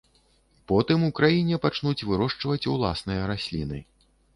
Потым у краіне пачнуць вырошчваць уласныя расліны.